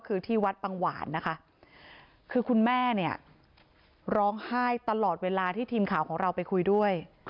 คือคุณแม่ร้องไห้ตลอดเวลาที่ทีมข่าวของเราไปคุยด้วย